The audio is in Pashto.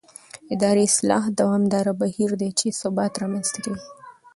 اداري اصلاح دوامداره بهیر دی چې ثبات رامنځته کوي